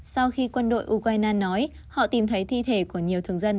sau khi quân đội ukraine nói họ tìm thấy thi thể của nhiều thường dân